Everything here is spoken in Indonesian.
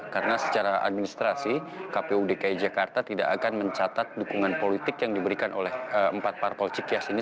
karena secara administrasi kpud dki jakarta tidak akan mencatat dukungan politik yang diberikan oleh empat parpol ckh ini